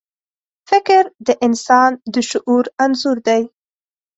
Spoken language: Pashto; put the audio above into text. فکر د انسان د شعور انځور دی.